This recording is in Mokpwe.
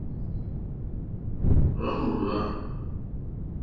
Hwá mòhwá.